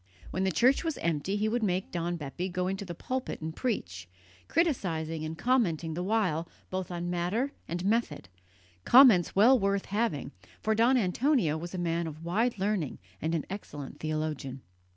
When the church was empty he would make Don Bepi go into the pulpit and preach, criticizing and commenting the while both on matter and method; comments well worth having, for Don Antonio was a man of wide learning and an excellent theologian.